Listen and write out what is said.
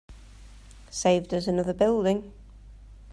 Saved us another building.